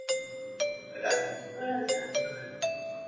Venezuela protested, claiming the entire area west of the Essequibo River.